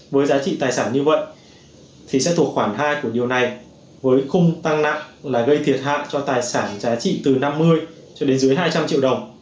với giá trị tài sản như vậy thì sẽ thuộc khoảng hai của điều này với khung tăng nặng là gây thiệt hại cho tài sản giá trị từ năm mươi cho đến dưới hai trăm linh triệu đồng